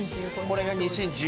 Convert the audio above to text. これが２０１５年。